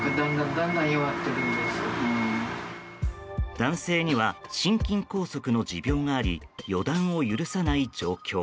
男性には心筋梗塞の持病があり予断を許さない状況。